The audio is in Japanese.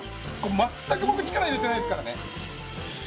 全く僕力入れてないですからね。